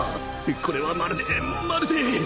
これはまるでまるで